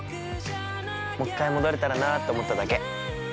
◆もう１回戻れたらなって思っただけ。